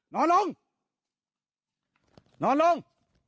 นอนลงนอนลง